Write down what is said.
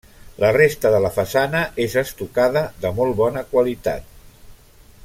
La resta de la façana és estucada de molt bona qualitat.